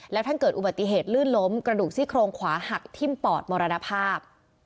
แล้วท่านเกิดอุบัติเหตุลื่นล้มกระดูกซี่โครงขวาหักทิ้มปอดมรณภาพ